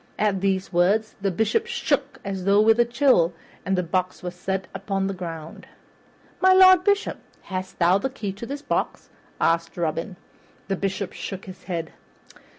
At these words the Bishop shook as with a chill, and the box was set upon the ground. "My Lord Bishop, hast thou the key of this box?" asked Robin. The Bishop shook his head.